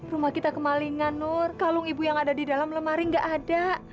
rumah kita kemalingan nur kalung ibu yang ada di dalam lemari nggak ada